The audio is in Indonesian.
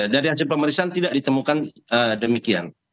dari hasil pemeriksaan tidak ditemukan demikian